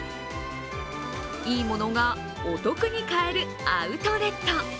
いいものがお得に買えるアウトレット。